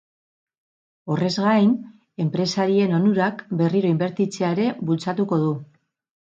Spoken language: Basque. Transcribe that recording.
Horrez gain, enpresarien onurak berriro inbertitzea ere bultzatuko du.